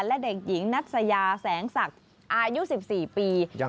และเด็กหญิงนัสยาแสงศักดิ์อายุ๑๔ปี